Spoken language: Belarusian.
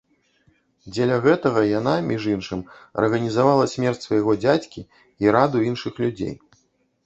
Дзеля гэтага яна, між іншым, арганізавала смерць свайго дзядзькі і раду іншых людзей.